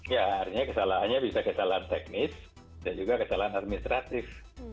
ya artinya kesalahannya bisa kesalahan teknis dan juga kesalahan administratif